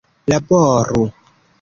laboru